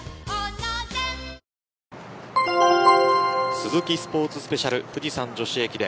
スズキスポーツスペシャル富士山女子駅伝。